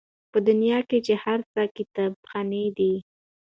په دنیا کي چي هر څه کتابخانې دي